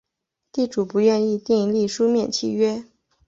地主不愿意订立书面契约